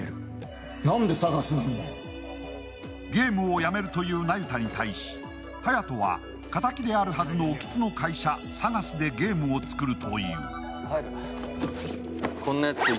ゲームをやめるという那由他に対し隼人は敵であるはずの興津の会社・サガスでゲームを作るという。